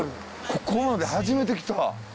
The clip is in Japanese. ここまで初めて来た。